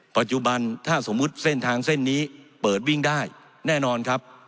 ปัจจุบันถ้าสมมุติเส้นทางเส้นนี้เปิดวิ่งได้แน่นอนครับ